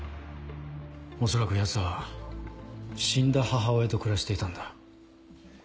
恐らくヤツは死んだ母親と暮らしていたんだ。